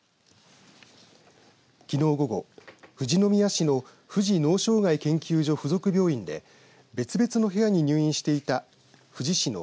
きのう午後、富士宮市の富士脳障害研究所附属病院で別々の部屋に入院していた富士市の